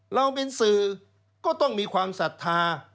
เราเป็นสื่อก็ต้องมีความศรัทธา